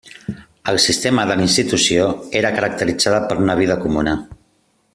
El sistema de la institució era caracteritzada per una vida comuna.